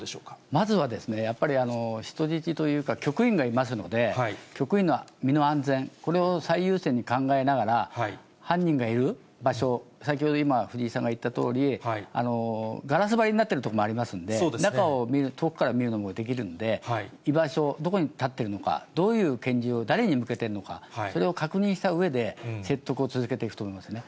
まずはやっぱり人質というか、局員がいますので、局員の身の安全、これを最優先に考えながら、犯人がいる場所、先ほど今、藤井さんが言ったとおり、ガラス張りになっている所もありますので、中を遠くから見るのもできるので、居場所、どこに立ってるのか、どういう拳銃を誰に向けてるのか、それを確認したうえで、説得を続けていくと思いますね。